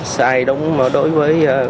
sai đúng đối với